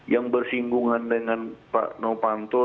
yang bersinggungan dengan pak novanto